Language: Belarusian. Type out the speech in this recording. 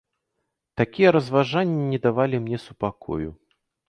Такія разважанні не давалі мне супакою.